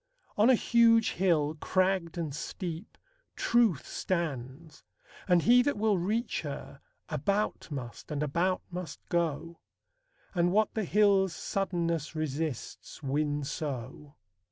On a huge hill, Cragged and steep, Truth stands, and he that will Reach her, about must and about must go; And what the hill's suddenness resists win so.